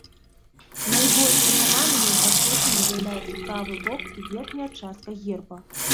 Найбольш шанаванымі і пачэснымі з'яўляюцца правы бок і верхняя частка герба.